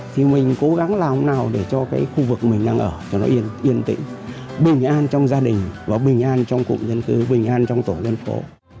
thì mình cố gắng làm nào để cho cái khu vực mình đang ở cho nó yên yên tĩnh bình an trong gia đình và bình an trong cụm dân cư bình an trong tổ dân phố